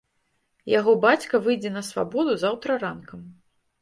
Яго бацька выйдзе на свабоду заўтра ранкам.